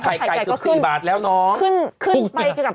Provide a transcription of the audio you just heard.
ไข่ไก่ก็ขึ้นขึ้นขึ้นไปเกินกับ